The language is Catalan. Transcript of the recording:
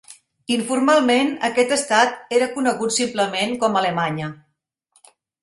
Informalment, aquest estat era conegut simplement com Alemanya.